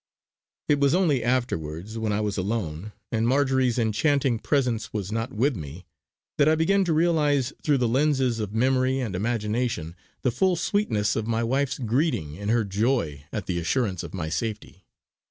It was only afterwards, when I was alone, and Marjory's enchanting presence was not with me, that I began to realise through the lenses of memory and imagination the full sweetness of my wife's greeting in her joy at the assurance of my safety.